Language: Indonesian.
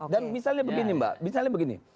dan misalnya begini mbak misalnya begini